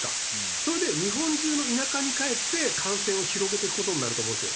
それで日本中の田舎に帰って感染を広げていく事になると思うんですよ。